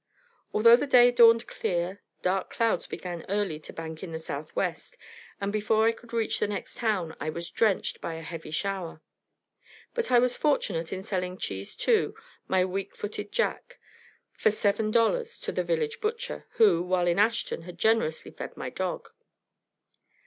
Although the day dawned clear, dark clouds began early to bank in the Southwest, and before I could reach the next town I was drenched by a heavy shower. But I was fortunate in selling Cheese II, my weak footed jack, for seven dollars to the village butcher, who, while in Ashton, had generously fed my dog.